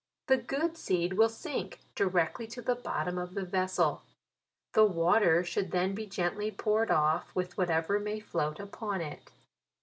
The good seed will sink directly to the bot tom of the vessel. The water should then be gently poured off, with whatever may float upon it.